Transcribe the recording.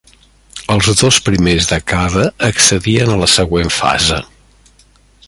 Els dos primers de cada accedien a la següent fase.